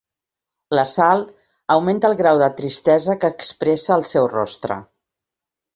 La Sal augmenta el grau de tristesa que expressa el seu rostre.